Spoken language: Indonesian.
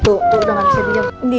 tuh udah gak bisa tidur